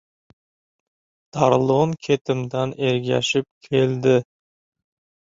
Tarlon ketimdan ergashib keldi.